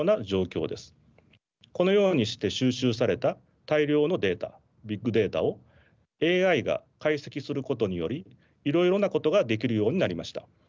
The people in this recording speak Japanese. このようにして収集された大量のデータビッグデータをＡＩが解析することによりいろいろなことができるようになりました。